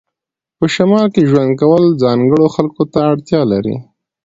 په شمال کې ژوند کول ځانګړو خلکو ته اړتیا لري